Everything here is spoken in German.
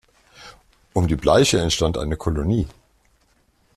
Um die Bleiche entstand eine Kolonie.